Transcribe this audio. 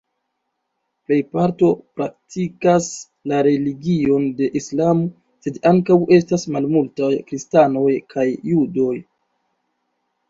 Plej parto praktikas la religion de Islamo, sed ankaŭ estas malmultaj kristanoj kaj judoj.